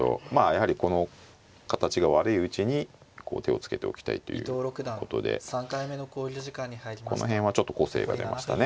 やはりこの形が悪いうちに手をつけておきたいということでこの辺はちょっと個性が出ましたね。